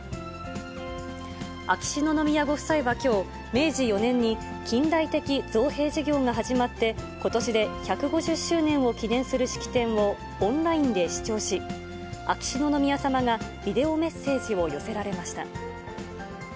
秋篠宮ご夫妻はきょう、明治４年に近代的造幣事業が始まって、ことしで１５０周年を記念する式典をオンラインで視聴し、秋篠宮さまがビデオメッセージを寄せられました。